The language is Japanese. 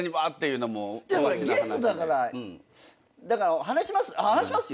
だから話します。